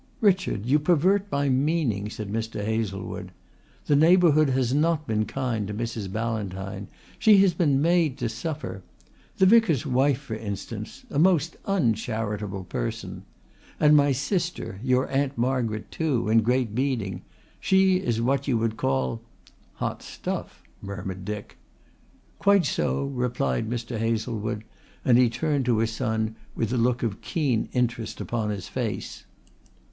"Richard, you pervert my meaning," said Mr. Hazlewood. "The neighbourhood has not been kind to Mrs. Ballantyne. She has been made to suffer. The Vicar's wife, for instance a most uncharitable person. And my sister, your Aunt Margaret, too, in Great Beeding she is what you would call " "Hot stuff," murmured Dick. "Quite so," replied Mr. Hazlewood, and he turned to his son with a look of keen interest upon his face.